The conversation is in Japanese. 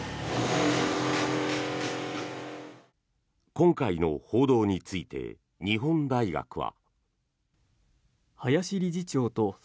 今回の報道について日本大学は。